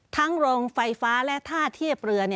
โรงไฟฟ้าและท่าเทียบเรือ